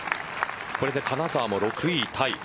これで金澤も６位タイ。